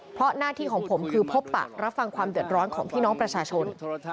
เพราะหน้าที่ของผมคือพบปะรับฟังความเดือดร้อนของพี่น้องประชาชน